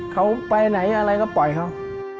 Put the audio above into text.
เขาไปไหนอะไรก็ปล่อยเขา